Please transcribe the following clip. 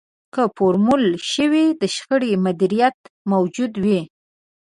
که فورمول شوی د شخړې مديريت موجود وي.